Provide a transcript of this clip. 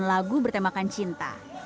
dan lagu bertemakan cinta